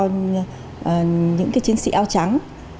những chiến sĩ ao trắng